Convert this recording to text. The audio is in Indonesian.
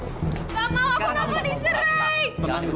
nggak mau aku nggak mau dicerai